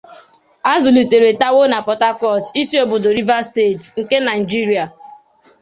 A zụlitere Tawo na Port Harcourt, isi obodo Rivers Steeti, nke Naijiria.